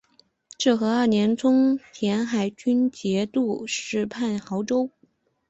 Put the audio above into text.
至和二年充镇海军节度使判亳州。